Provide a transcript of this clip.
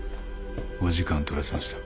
お時間をとらせました。